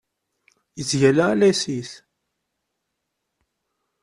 Yettgalla ala s yis-s.